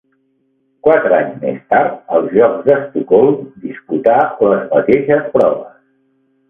Quatre anys més tard, als Jocs d'Estocolm, disputà les mateixes proves.